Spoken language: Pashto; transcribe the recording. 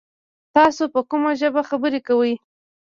تاسو په کومه ژبه خبري کوی ؟